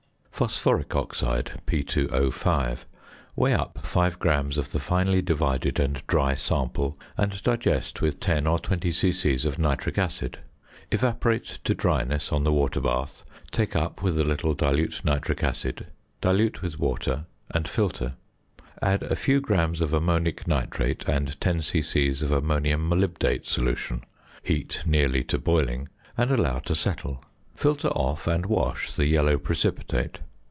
~Phosphoric Oxide (P_O_).~ Weigh up 5 grams of the finely divided and dry sample, and digest with 10 or 20 c.c. of nitric acid; evaporate to dryness on the water bath; take up with a little dilute nitric acid; dilute with water; and filter. Add a few grams of ammonic nitrate and 10 c.c. of ammonium molybdate solution, heat nearly to boiling, and allow to settle; filter off, and wash the yellow precipitate.